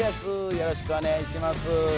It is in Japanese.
よろしくお願いします。